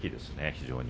非常に。